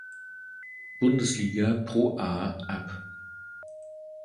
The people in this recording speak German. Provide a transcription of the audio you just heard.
Bundesliga ProA ab.